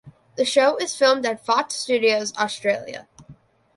The show is filmed at Fox Studios Australia.